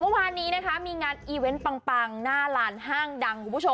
เมื่อวานนี้มีงานอีเวนต์ปังหน้าลานห้างดัง